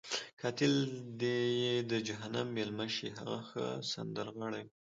قاتل دې یې د جهنم میلمه شي، هغه ښه سندرغاړی وو.